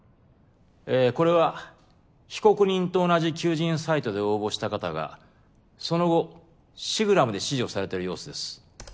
えこれは被告人と同じ求人サイトで応募した方がその後シグラムで指示をされている様子です。